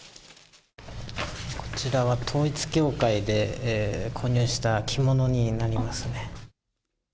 こちらは、統一教会で購入した着物になりますね。